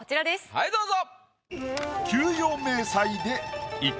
はいどうぞ。